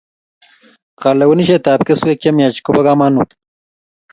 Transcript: kalewenishetap keswek chemiach kopo kamanut